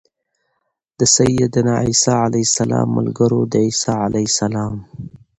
د سيّدنا عيسی عليه السلام ملګرو د عيسی علیه السلام